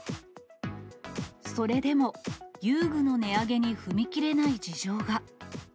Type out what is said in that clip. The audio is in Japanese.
それでも、遊具の値上げに踏み切れない事情が。